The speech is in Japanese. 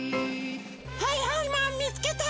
はいはいマンみつけた！